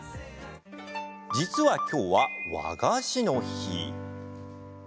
実は、きょうは和菓子の日。